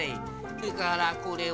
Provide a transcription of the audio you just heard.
それからこれは？